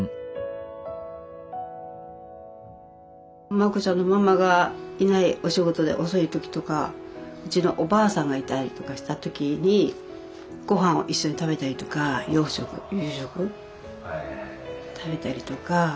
マコちゃんのママがいないお仕事で遅い時とかうちのおばあさんがいたりとかした時にごはんを一緒に食べたりとか夕食食べたりとか。